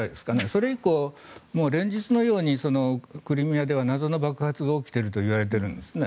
それ以降、連日のようにクリミアでは謎の爆発が起きているといわれているんですね。